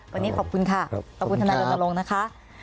วันนี้ขอบคุณค่ะขอบคุณทนายรณรงค์นะคะ